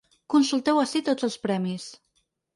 Consulteu ací tots els premis.